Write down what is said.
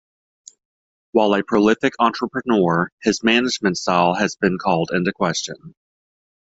While a prolific entrepreneur, his management style has been called into question.